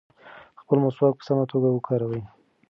خپل مسواک په سمه توګه وکاروئ.